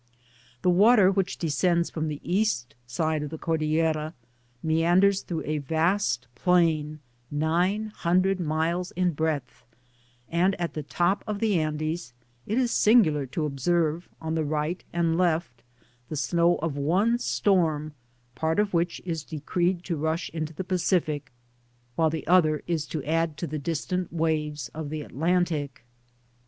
The water whibh descends from the east side of the Cordillera meanders through a vast plain, nine hundred miles in breadth ; and at the top of the Andes, it is singular to observe on the right and left the snow of one storm, part of which is decreed to hm into the Pacific, while the other is to add to the distant waves of the Atlantic.